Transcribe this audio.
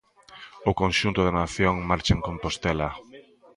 O conxunto da nación marcha en Compostela.